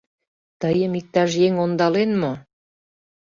— Тыйым иктаж еҥ ондален мо?